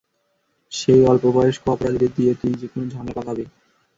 সেই অল্পবয়ষ্ক অপরাধীদের দিয়ে তুই যেকোনো ঝামেলা পাকাবি।